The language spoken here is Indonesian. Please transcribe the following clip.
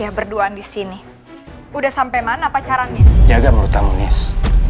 enak ya berduaan disini udah sampai mana pacarannya jaga menurut kamu nis